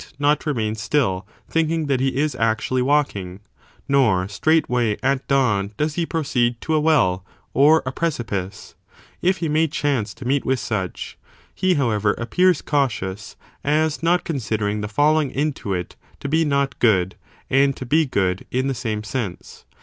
not remain still, thinking that he is actually walking) nor straightway, at dawn, does he proceed to a well or a precipice 1 if he may chance to meet with such, he, however, appears cautious, as not considering the felling into it to be not good and to be good in the same sense.